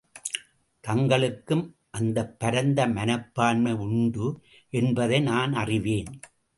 தங்களுக்கும் அந்தப் பரந்த மனப்பான்மை உண்டு என்பதை நான் அறிவேன்.